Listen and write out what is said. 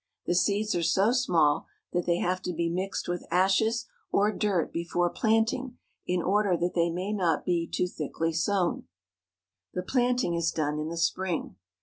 The seeds are so small that they have to be mixed with ashes or dirt before planting, in order that they may not be too thickly sown. I08 THE SOUTH. The planting is done in the spring.